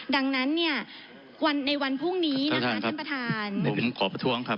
ดังนั้นเนี่ยวันในวันพรุ่งนี้นะคะท่านประธานผมขอประท้วงครับ